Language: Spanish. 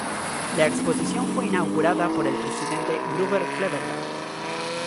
La exposición fue inaugurada por el presidente Grover Cleveland.